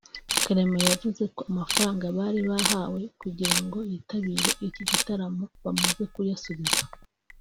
Clement yavuze ko amafaranga bari bahawe kugirango yitabire iki gitaramo bamaze kuyasubiza